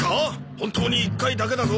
本当に１回だけだぞ？